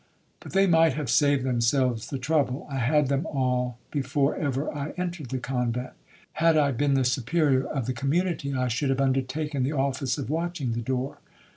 But they might have saved themselves the trouble,—I had them all before ever I entered the convent. Had I been the Superior of the community, I should have undertaken the office of watching the door.